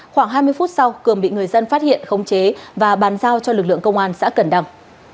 khoảng hai mươi phút sau cường bị người dân phát hiện khống chế và bàn giao cho lực lượng công an xã cần đằng